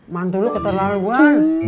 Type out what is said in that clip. mantu lu keterlaluan